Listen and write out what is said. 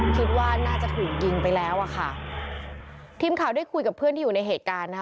คิดว่าน่าจะถูกยิงไปแล้วอ่ะค่ะทีมข่าวได้คุยกับเพื่อนที่อยู่ในเหตุการณ์นะคะ